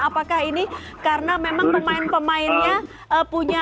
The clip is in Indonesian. apakah ini karena memang pemain pemainnya punya